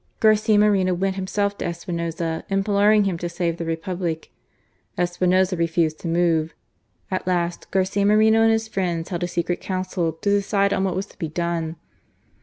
Garcia Moreno went himself to Espinoza, imploring him to save the Republic. Espinoza refused to move. At last, Garcia Moreno and his friends held a secret council to decide on what was to be done.